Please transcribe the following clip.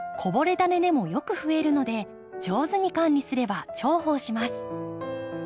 ダネでもよくふえるので上手に管理すれば重宝します。